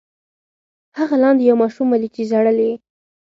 هغه لاندې یو ماشوم ولید چې ژړل یې.